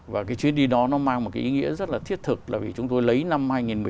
và cái chuyến đi đó nó mang một cái ý nghĩa rất là thiết thực là vì chúng tôi lấy năm hai nghìn một mươi tám